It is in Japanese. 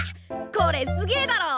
これすげえだろ。